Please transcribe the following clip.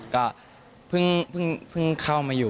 ก็เพิ่งเพิ่งเพิ่งเข้ามาอยู่